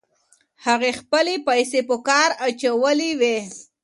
هغې خپلې پیسې په کار اچولې وې.